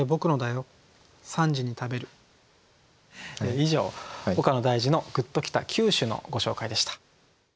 以上「岡野大嗣の“グッときた九首”」のご紹介でした。